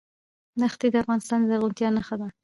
ښتې د افغانستان د زرغونتیا نښه ده.